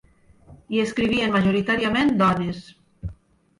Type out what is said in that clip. Hi escrivien majoritàriament dones.